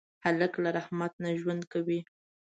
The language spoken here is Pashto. هلک له رحمت نه ژوند کوي.